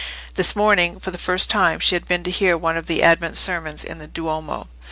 This morning, for the first time, she had been to hear one of the Advent sermons in the Duomo.